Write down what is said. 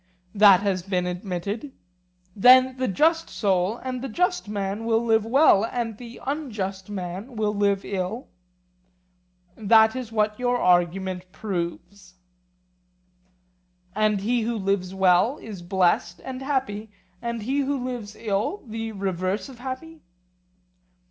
That has been admitted. Then the just soul and the just man will live well, and the unjust man will live ill? That is what your argument proves. And he who lives well is blessed and happy, and he who lives ill the reverse of happy?